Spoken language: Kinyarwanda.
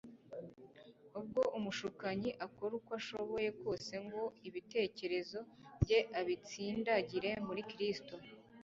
Ubwo umushukanyi akora uko ashoboye kose ngo ibitekerezo bye abitsindagire muri Kristo: